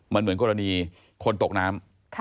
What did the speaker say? มันเหมือนกรณีคนตกน้ำ